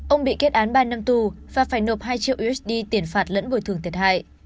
ông bị kết án ba năm tù và phải nộp hai triệu usd tiền phạt lẫn bồi thường thiệt hại